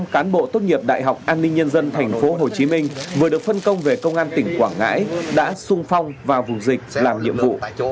một mươi cán bộ tốt nghiệp đại học an ninh nhân dân tp hcm vừa được phân công về công an tỉnh quảng ngãi đã sung phong vào vùng dịch làm nhiệm vụ